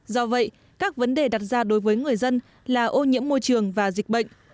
do vậy các vấn đề đặt ra đối với người dân là ô nhiễm môi trường và dịch bệnh